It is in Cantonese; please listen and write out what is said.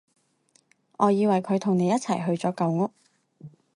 我以為佢同你一齊去咗舊屋